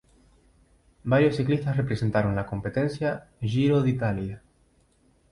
Varios ciclistas representaron la competencia Giro d'Italia.